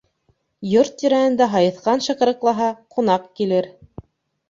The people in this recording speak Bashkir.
Йорт тирәһендә һайыҫҡан шыҡырыҡлаһа, ҡунаҡ килер.